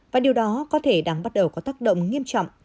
và điều đó có thể đang bắt đầu có tác động nghiêm trọng